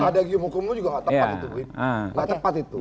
ada hukum juga tidak tepat itu